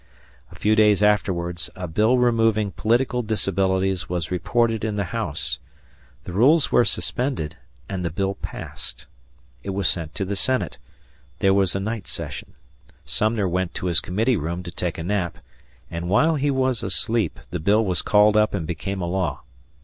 A few days afterwards, a bill removing political disabilities was reported in the House; the rules were suspended, and the bill passed. It was sent to the Senate; there was a night session; Sumner went to his committee room to take a nap, and while he was asleep, the bill was called up and became a law.